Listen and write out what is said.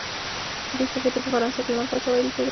دې سفیر ته په فرانسه کې لمر پاچا ویل کېده.